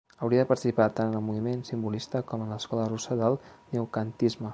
Hauria de participar tant en el moviment simbolista com en l'escola russa del neokantisme.